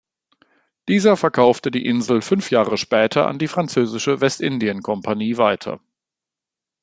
Dieser verkaufte die Insel fünf Jahre später an die Französische Westindien-Kompanie weiter.